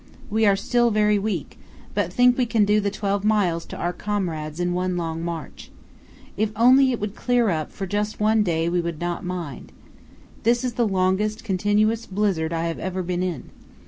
We are still very weak, but think we can do the twelve miles to our comrades in one long march. If only it would clear up for just one day we would not mind. This is the longest continuous blizzard I have ever been in.